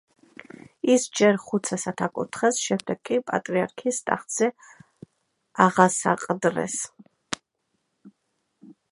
ის ჯერ ხუცესად აკურთხეს, შემდეგ კი პატრიარქის ტახტზე აღასაყდრეს.